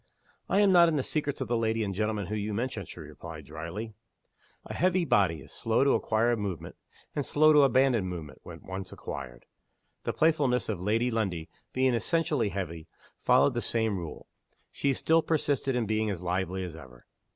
"I am not in the secrets of the lady and gentleman whom you mention," she replied, dryly. A heavy body is slow to acquire movement and slow to abandon movement, when once acquired. The playfulness of Lady Lundie, being essentially heavy, followed the same rule. She still persisted in being as lively as ever.